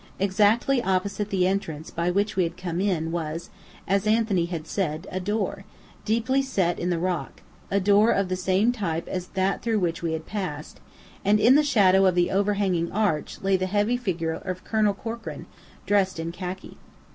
Exactly opposite the entrance by which we had come in was as Anthony had said a door, deeply set in the rock a door of the same type as that through which we had passed; and in the shadow of the overhanging arch lay the heavy figure of Colonel Corkran, dressed in khaki.